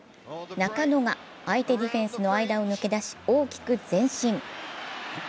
中野が相手ディフェンスの間を抜け出し、大きく前進。